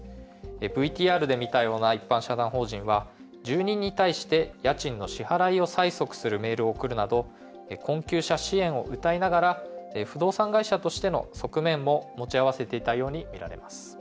ＶＴＲで見たような一般社団法人は、住人に対して家賃の支払いを催促するメールを送るなど困窮者支援をうたいながら不動産会社としての側面も持ち合わせていたようにみられます。